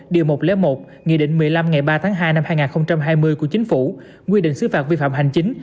điều một trăm linh một nghị định một mươi năm ngày ba tháng hai năm hai nghìn hai mươi của chính phủ quy định xứ phạt vi phạm hành chính